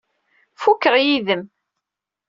Fukeɣ yid-m.